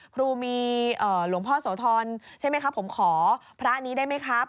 ครูมีหลวงพ่อโสธรใช่ไหมครับผมขอพระนี้ได้ไหมครับ